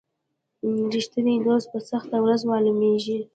رښتینی دوست په سخته ورځ معلومیږي.